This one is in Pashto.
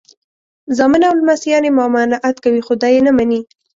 زامن او لمسیان یې ممانعت کوي خو دی یې نه مني.